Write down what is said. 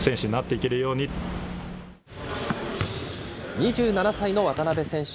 ２７歳の渡邊選手。